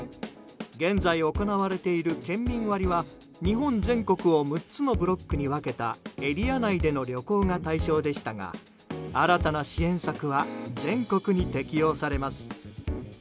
現在行われている県民割は日本全国を６つに分けたエリア内での旅行が対象でしたが新たな支援策は全国に適用されます。